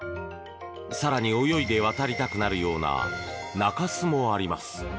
更に、泳いで渡りたくなるような中州もあります。